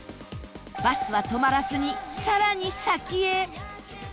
バスは止まらずに更に先へ